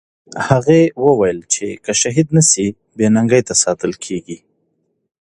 هغې وویل چې که شهید نه سي، بې ننګۍ ته ساتل کېږي.